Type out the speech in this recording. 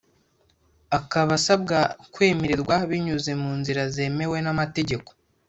Akaba asaba kwemererwa binyuze mu nzira zemewe n’amategeko